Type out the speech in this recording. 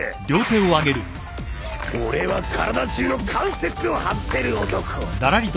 俺は体中の関節を外せる男。